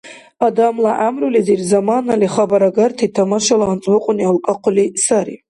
Адамла гӀямрулизир заманали хабарагарти, тамашала анцӀбукьуни алкӀахъули сари.